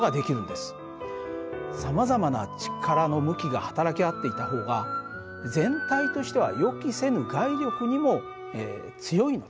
さまざまな力の向きが働き合っていた方が全体としては予期せぬ外力にも強いのです。